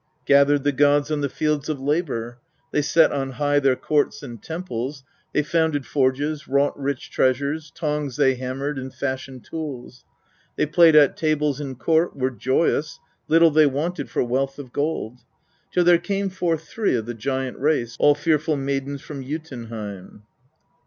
7. Gathered the gods on the Fields of Labour ; they set on high their courts and temples ; they founded forges, wrought rich treasures, tongs they hammered and fashioned tools. 8. They played at tables in court, were joyous, little they wanted for wealth of gold. Till there came forth three of the giant race, all fearful maidens, from Jotunheim.